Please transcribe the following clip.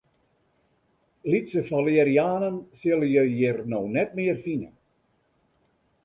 Lytse falerianen sille je hjir no net mear fine.